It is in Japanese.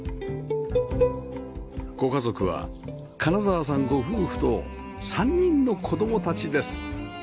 ご家族は金澤さんご夫婦と３人の子供たちです